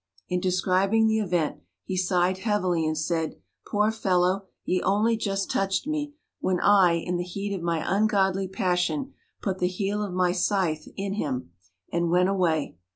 In describing the event he sighed heavily, and said, 'Poor fellow, he only just touched me, when I, in the heat of my ungodly passion, put the heel of my scythe in him, and went away.